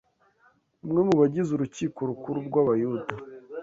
umwe mu bagize Urukiko Rukuru rw’Abayuda